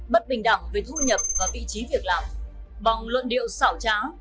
bất bình đẳng về thu nhập và vị trí việc làm bằng luận điệu xảo trá